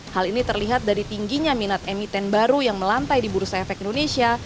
hal ini terlihat dari tingginya minat emiten baru yang melantai di bursa efek indonesia